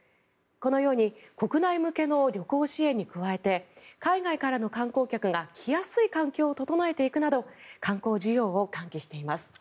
このように国内向けの旅行支援に加えて海外からの観光客が来やすい環境を整えていくなど観光需要を喚起しています。